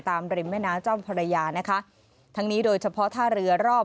ริมแม่น้ำเจ้าภรรยานะคะทั้งนี้โดยเฉพาะท่าเรือรอบ